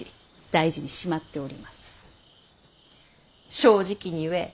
正直に言え。